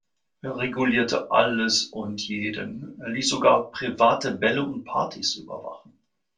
Er regulierte alles und jeden, er ließ sogar private Bälle und Partys überwachen.